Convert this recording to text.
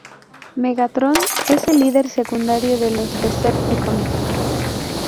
Megatron es el líder secundario de los Decepticons.